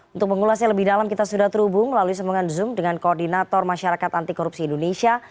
untuk pengulasnya lebih dalam kita sudah terhubung lalu semuanya di zoom dengan koordinator masyarakat anti korupsi indonesia